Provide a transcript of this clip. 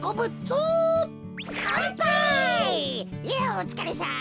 おつかれさん。